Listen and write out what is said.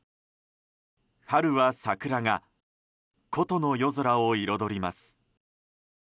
春は桜が古都の夜空を彩ります。